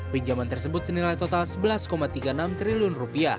pinjaman tersebut senilai total rp sebelas tiga puluh enam triliun